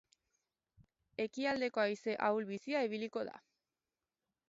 Ekialdeko haize ahul-bizia ibiliko da.